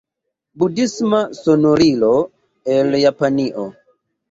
Budhisma sonorilo el Japanio.